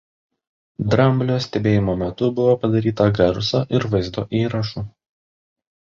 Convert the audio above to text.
Dramblio stebėjimo metu buvo padaryta garso ir vaizdo įrašų.